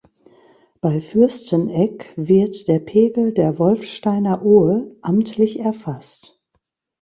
Bei Fürsteneck wird der Pegel der Wolfsteiner Ohe amtlich erfasst.